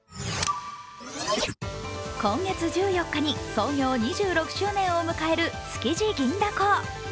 今月１４日に創業２６周年を迎える築地銀だこ。